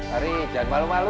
arie jangan malu malu